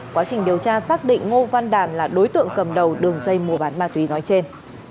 quá trình điều tra xác định ngô văn đàn là đối tượng cầm đầu đường dây mua bán ma túy nói trên